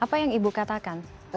apa yang ibu katakan